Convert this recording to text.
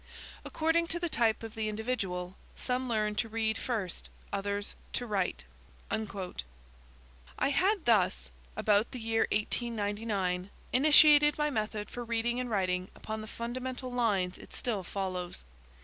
According to the type of the individual, some learn to read first, others to write." I had thus, about the year 1899, initiated my method for reading and writing upon the fundamental lines it still follows.